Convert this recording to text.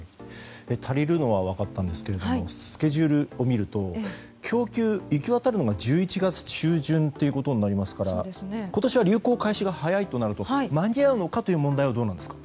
足りるのは分かったんですがスケジュールを見ると供給、行き渡るのが１１月中旬となりますから今年は流行開始が早いとなると間に合うのかという問題はどうなんですか？